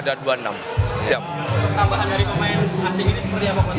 tambahan dari pemain asing ini seperti apa